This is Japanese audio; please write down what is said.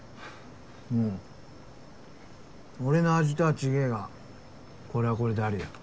うん俺の味とは違ぇがこれはこれでありだ。